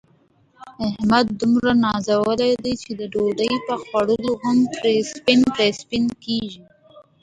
احمد دومره نازولی دی، چې د ډوډۍ په خوړلو هم پړسپن پړسپن کېږي.